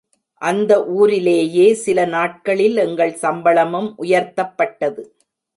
அந்த ஊரிலேயே சில நாட்களில் எங்கள் சம்பளமும் உயர்த்தப்பட்டது.